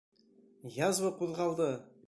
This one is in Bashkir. Язва ҡуҙғалды!